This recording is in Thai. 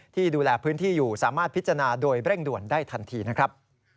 ดูแลพื้นที่อยู่สามารถพิจารณาโดยเร่งด่วนได้ทันทีนะครับ